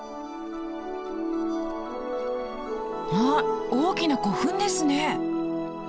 あっ大きな古墳ですね！